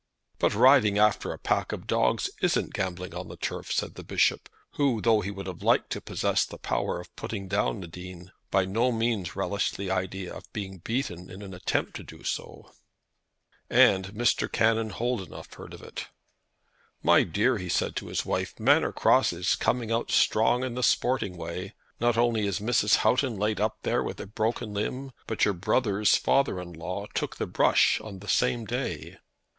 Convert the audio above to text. "But riding after a pack of dogs isn't gambling on the turf," said the Bishop, who, though he would have liked to possess the power of putting down the Dean, by no means relished the idea of being beaten in an attempt to do so. And Mr. Canon Holdenough heard of it. "My dear," he said to his wife, "Manor Cross is coming out strong in the sporting way. Not only is Mrs. Houghton laid up there with a broken limb, but your brother's father in law took the brush on the same day."